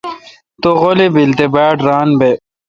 تو غیلی بیل تے باڑ ران بہ۔